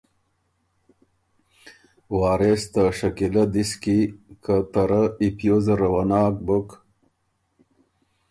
وارث ته شکیلۀ دِس کی، که ته رۀ ای پیوز زره وه ناک بُک،